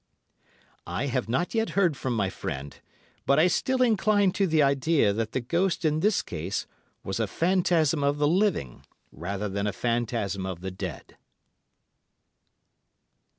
I have not yet heard from my friend, but I still incline to the idea that the ghost in this case was a phantasm of the living, rather than a phantasm of the dead.